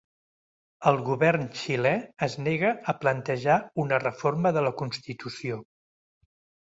El govern xilè es nega a plantejar una reforma de la Constitució